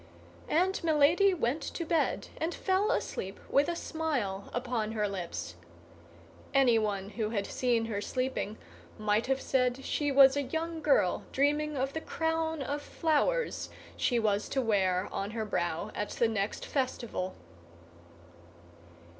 And Milady went to bed and fell asleep with a smile upon her lips. Anyone who had seen her sleeping might have said she was a young girl dreaming of the crown of flowers she was to wear on her brow at the next festival.